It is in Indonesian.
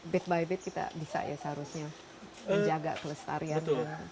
bit by bit kita bisa ya seharusnya menjaga kelestarian